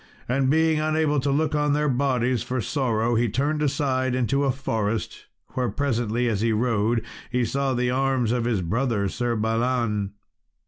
And being unable to look on their bodies for sorrow, he turned aside into a forest, where presently as he rode, he saw the arms of his brother, Sir Balan.